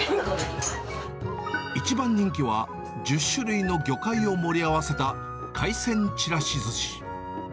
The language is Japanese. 一番人気は、１０種類の魚介を盛り合わせた海鮮ちらしずし。